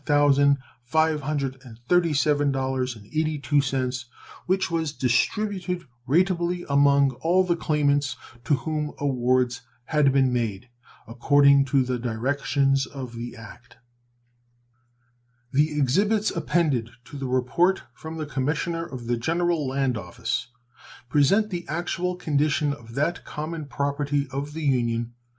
82, which was distributed ratably amongst all the claimants to whom awards had been made, according to the directions of the act. The exhibits appended to the report from the Commissioner of the General Land Office present the actual condition of that common property of the Union.